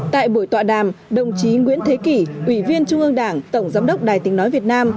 tại buổi tọa đàm đồng chí nguyễn thế kỷ ủy viên trung ương đảng tổng giám đốc đài tình nói việt nam